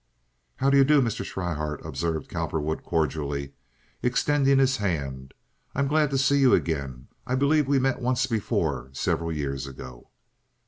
"How do you do, Mr. Schryhart," observed Cowperwood, cordially, extending his hand. "I'm glad to see you again. I believe we met once before several years ago."